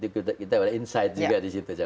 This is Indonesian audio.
kita ada insight juga disitu